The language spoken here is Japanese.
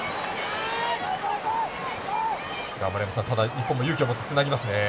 日本を勇気を持ってつなぎますね。